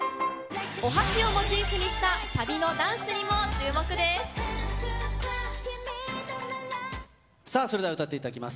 お箸をモチーフにしたサビのダンスにも注目です。